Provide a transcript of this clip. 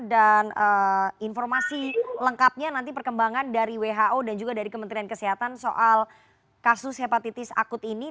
dan informasi lengkapnya nanti perkembangan dari who dan juga dari kementerian kesehatan soal kasus hepatitis akut ini